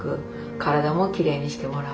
体もきれいにしてもらう。